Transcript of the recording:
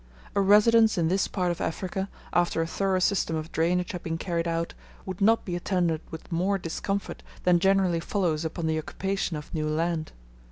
A residence in this part of Africa, after a thorough system of drainage had been carried out, would not be attended with more discomfort than generally follows upon the occupation of new land.